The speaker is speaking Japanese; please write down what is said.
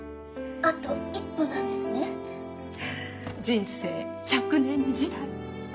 あと一歩なんですね。人生１００年時代。